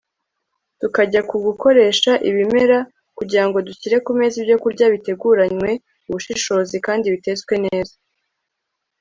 tukajya ku gukoresha ibimera kugira ngo dushyire ku meza ibyokurya biteguranywe ubushishozi, kandi bitetswe neza